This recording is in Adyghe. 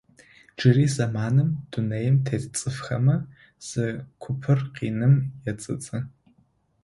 Джырэ зэманым, дунаим тет цӏыфхэмэ, зы купыр къиным ецӏыцӏы.